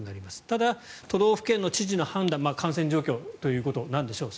ただ、都道府県の知事の判断感染状況ということなんでしょう。